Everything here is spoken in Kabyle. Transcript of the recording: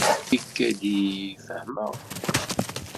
Ikad-iyi-d fehmeɣ.